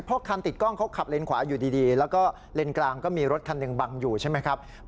เพราะว่าโอ้โหตีกี่เลนจนเกิดอุบัติเหตุนะครับ